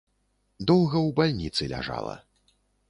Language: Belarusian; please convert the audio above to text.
Доўга ў бальніцы ляжала.